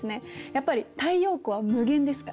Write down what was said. やっぱり太陽光は無限ですから。